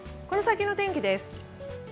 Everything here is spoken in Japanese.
この先の天気です。